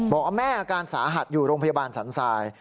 บอกว่าแม่อาการสาหัสอยู่โรงพยาบาลสรรสาย